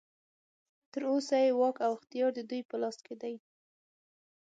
تر اوسه یې واک او اختیار ددوی په لاس کې دی.